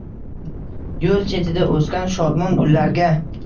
Yo’l chetida o’sgan shodmon gullarga